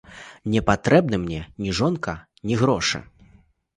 Не патрэбны мне ні жонка, ні грошы.